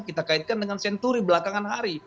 kita kaitkan dengan senturi belakangan hari